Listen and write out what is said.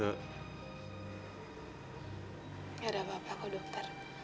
tidak ada apa apa kok dokter